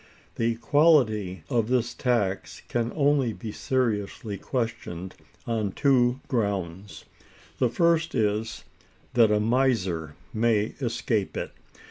The equality of this tax can only be seriously questioned on two grounds. The first is, that a miser may escape it.